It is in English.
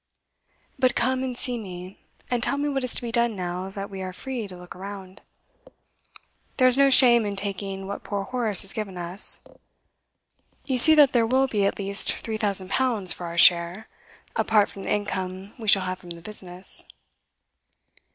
'But come and see me, and tell me what is to be done now that we are free to look round. There is no shame in taking what poor Horace has given us. You see that there will be at least three thousand pounds for our share, apart from the income we shall have from the business.